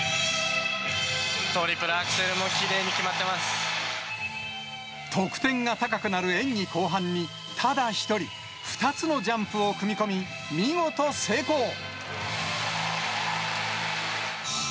トリプルアクセルもきれいに得点が高くなる演技後半に、ただ一人、２つのジャンプを組み込み、見事成功。